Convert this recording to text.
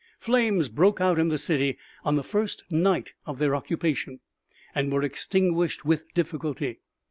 Flames broke out in the city on the first night of their occupation, and were extinguished with difficulty.